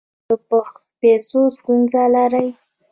ایا د پیسو ستونزه لرئ؟